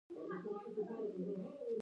پاچا تل په خلکو سترګې رډې رډې کوي.